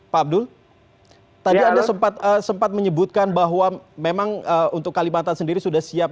pak abdul tadi anda sempat menyebutkan bahwa memang untuk kalimantan sendiri sudah siap